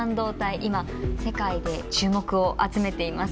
今世界で注目を集めています。